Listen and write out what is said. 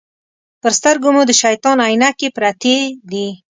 پر سترګو مو د شیطان عینکې پرتې دي.